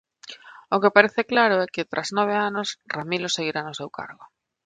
O que parece claro é que, tras nove anos, Ramilo seguirá no seu cargo.